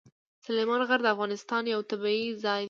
سلیمان غر د افغانستان یوه طبیعي ځانګړتیا ده.